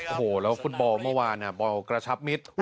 โอ้โหแล้วฟุตบอลเมื่อวานบอลกระชับมิตร